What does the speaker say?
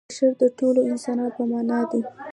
بشر د ټولو انسانانو په معنا دی.